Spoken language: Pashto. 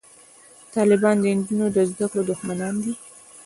طالبان د نجونو د زده کړو دښمنان دي